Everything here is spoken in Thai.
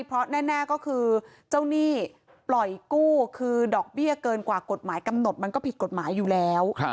เพราะแน่ก็คือเจ้าหนี้ปล่อยกู้คือดอกเบี้ยเกินกว่ากฎหมายกำหนดมันก็ผิดกฎหมายอยู่แล้ว